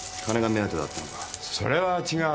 それは違う。